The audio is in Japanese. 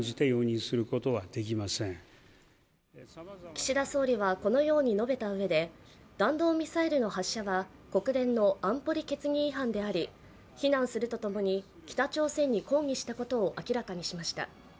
岸田総理はこのように述べたうえで、弾道ミサイルの発射は国連の安保理決議違反であり非難するとともに北朝鮮に抗議したことを明らかにしました。